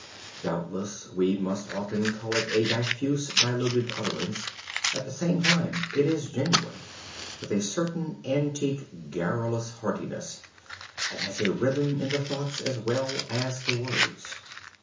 Doubtless we must often call it a diffuse diluted utterance; at the same time it is genuine, with a certain antique garrulous heartiness, and has a rhythm in the thoughts as well as the words.